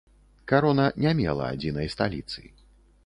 Карона не мела адзінай сталіцы.